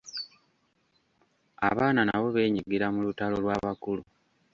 Abaana nabo beenyigira mu lutalo lw'abakulu.